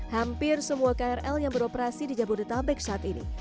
hampir semua krl yang beroperasi di jabodetabek saat ini